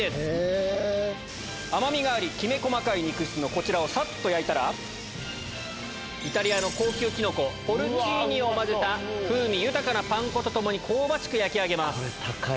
甘みがありきめ細かい肉質のこちらをさっと焼いたらイタリアの高級キノコを混ぜた風味豊かなパン粉と共に香ばしく焼き上げます。